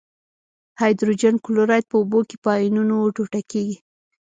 هایدروجن کلوراید په اوبو کې په آیونونو ټوټه کیږي.